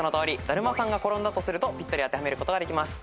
だるまさんがころんだとするとぴったり当てはめることができます。